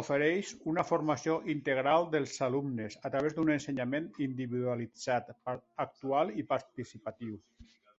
Ofereix una formació integral dels alumnes, a través d'un ensenyament individualitzat, actual i participatiu.